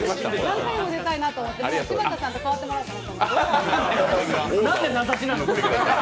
何回も出たいなと思って、柴田さんと代わってもらいたい。